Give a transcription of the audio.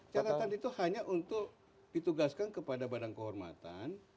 catatan itu hanya untuk ditugaskan kepada badan kehormatan